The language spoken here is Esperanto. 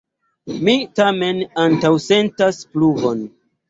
Mi tamen antaŭsentas pluvon.